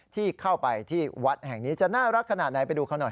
ที่เข้าไปที่วัดแห่งนี้จะน่ารักขนาดไหนไปดูเขาหน่อย